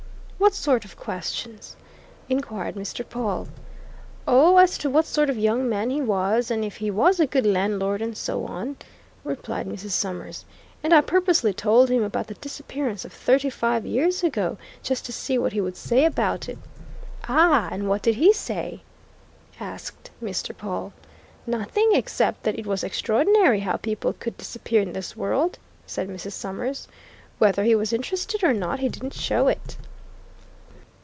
"What sort of questions?" inquired Mr. Pawle. "Oh as to what sort of young man he was, and if he was a good landlord and so on," replied Mrs. Summers. "And I purposely told him about the disappearance of thirty five years ago, just to see what he would say about it." "Ah! And what did he say?" asked Mr. Pawle. "Nothing except that it was extraordinary how people could disappear in this world," said Mrs. Summers. "Whether he was interested or not, he didn't show it."